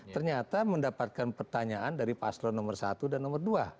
ternyata mendapatkan pertanyaan dari paslon nomor satu dan nomor dua